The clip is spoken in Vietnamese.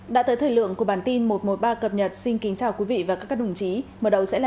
đã tới thời lượng của bản tin một trăm một mươi ba cập nhật xin kính chào quý vị và các đồng chí mở đầu sẽ là